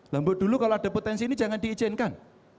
lombok dulu kalau ada potensi ini jangan diizinkan